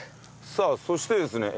さあそしてですね